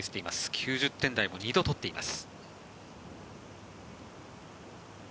９０点台も２度取っています。